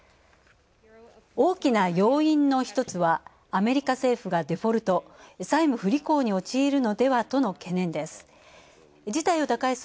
大きな要因の一つは、アメリカ政府がデフォルト＝債務不履行に陥るのではとの懸念です。